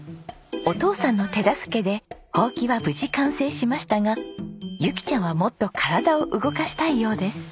お父さんの手助けでホウキは無事完成しましたがユキちゃんはもっと体を動かしたいようです。